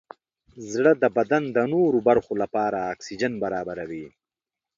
زړه د بدن د نورو برخو لپاره اکسیجن برابروي.